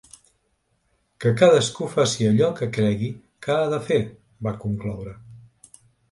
Que cadascú faci allò que cregui que ha de fer, va concloure.